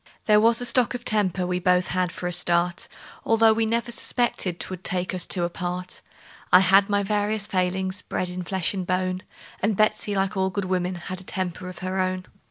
There was a stock of temper we both had for a start, Although we never suspected 'twould take us two apart; I had my various failings, bred in the flesh and bone; And Betsey, like all good women, had a temper of her own.